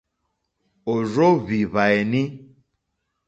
Ò rzóhwì hwàèní.